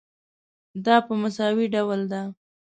دا په مساوي ډول ده.